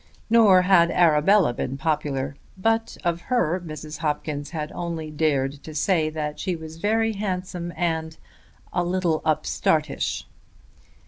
Nor had Arabella been popular; but of her Mrs. Hopkins had only dared to say that she was very handsome and "a little upstartish."